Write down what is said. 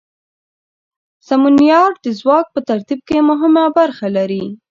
سمونیار د ځواک په ترتیب کې مهمه برخه لري.